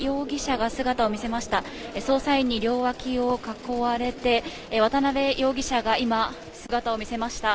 捜査員に両脇を囲われて、渡辺容疑者が今、姿をみせました。